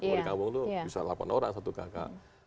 kalau di kampung itu bisa delapan orang satu kakak